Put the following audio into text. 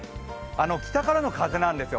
北からの風なんですよ